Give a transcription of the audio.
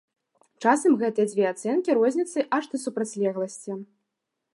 Часам гэтыя дзве ацэнкі розняцца аж да супрацьлегласці.